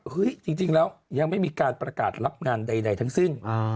จริงแล้วยังไม่มีการประกาศรับงานใดทั้งสิ้น